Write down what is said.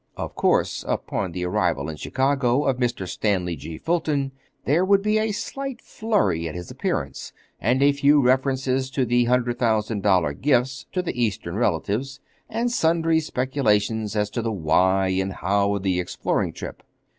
Of course, upon the arrival in Chicago of Mr. Stanley G. Fulton, there would be a slight flurry at his appearance, and a few references to the hundred thousand dollar gifts to the Eastern relatives, and sundry speculations as to the why and how of the exploring trip.